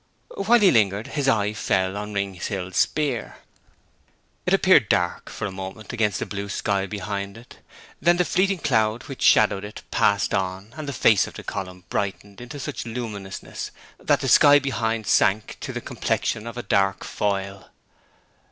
While he lingered his eye fell on Rings Hill Speer. It appeared dark, for a moment, against the blue sky behind it; then the fleeting cloud which shadowed it passed on, and the face of the column brightened into such luminousness that the sky behind sank to the complexion of a dark foil.